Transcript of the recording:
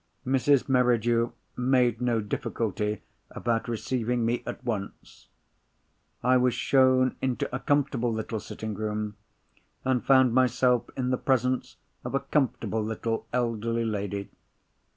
Mrs. Merridew made no difficulty about receiving me at once. I was shown into a comfortable little sitting room, and found myself in the presence of a comfortable little elderly lady.